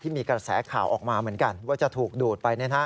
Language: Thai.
มีกระแสข่าวออกมาเหมือนกันว่าจะถูกดูดไป